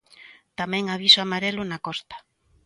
Tamén aviso amarelo na costa.